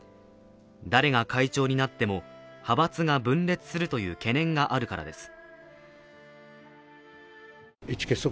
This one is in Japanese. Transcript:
誰が会長になっても派閥が分裂するという懸念があるからです。